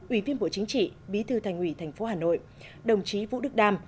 ủy viên bộ chính trị bí thư thành ủy tp hà nội đồng chí vũ đức đam